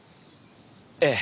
ええ。